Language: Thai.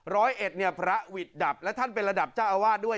ร้อยเอ็ดเนี่ยพระหวิดดับและท่านเป็นระดับเจ้าอาวาสด้วย